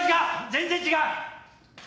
全然違う。